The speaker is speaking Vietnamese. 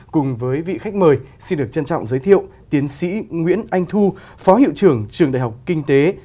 cùng với vị khách mời xin được trân trọng giới thiệu tiến sĩ nguyễn anh thu phó hiệu trưởng trường đại học kinh tế